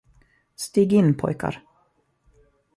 Stig in, pojkar!